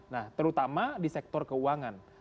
nah terutama di sektor keuangan